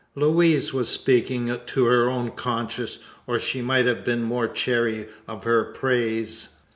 Louise was speaking to her own conscience; or she might have been more chary of her praise.